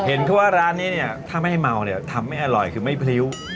เห็นแค่ว่าร้านนี้เนี่ยถ้าไม่ให้เมาเนี่ยทำไม่อร่อยคือไม่พริ้ว